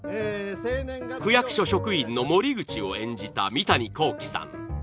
区役所職員の森口を演じた三谷幸喜さん